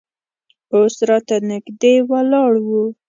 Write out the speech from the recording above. اوس راته نږدې ولاړ و.